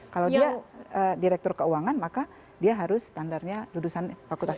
kalau dia direktur keuangan maka dia harus standarnya lulusan fakultas